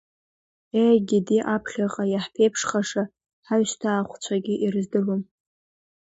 Ее гьиди, аԥхьаҟа иаҳԥеиԥшхаша ҳаҩсҭаахәцәагьы ирыздыруам!